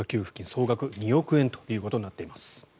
総額２億円ということになっています。